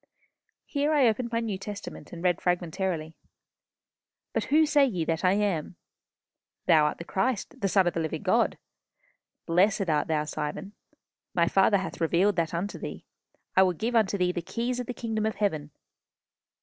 Here I opened my New Testament, and read fragmentarily, "'But whom say ye that I am?... Thou art the Christ, the Son of the living God.... Blessed art thou, Simon.... My Father hath revealed that unto thee. I will give unto thee the keys of the kingdom of heaven....